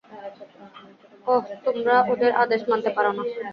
ওহ, তোমরা ওদের আদেশ মানতে পারো না।